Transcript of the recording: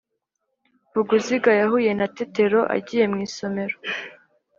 Vuguziga yahuye na Tetero agiye mu isomero.